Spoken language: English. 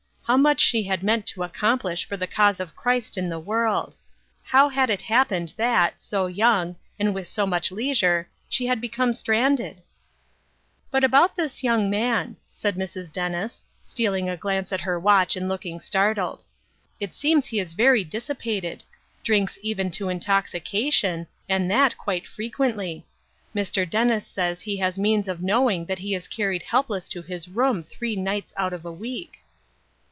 How much she had meant to accomplish for the cause of Christ in the world ! How had it happened that, so young, and with so much leisure, she had become stranded ?" But about this young man, " said Mrs. Dennis, stealing a glance at her watch and looking startled. " It seems he is very dissipated ; drinks even to in toxication, and that quite frequently. Mr. Dennis says he has means of knowing that he is carried helpless to his room three nights out of a week."